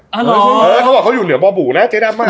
อ๋อเหรอเขาบอกเขาอยู่เหนือบ่าบูนะเจ๊ดับมาก